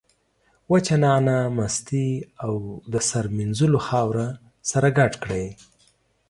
وچه نعناع، مستې او د سر مینځلو خاوره سره ګډ کړئ.